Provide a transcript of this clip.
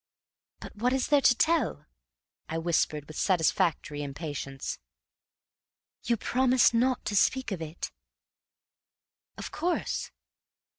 "But what is there to tell?" I whispered with satisfactory impatience. "You promise not to speak of it?" "Of course!"